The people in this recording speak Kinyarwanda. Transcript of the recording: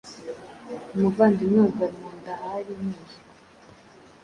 Umuvandimwe wa Garmundahari mwishywa